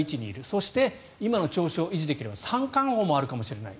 そして今の調子を維持できれば三冠王もあるかもしれない。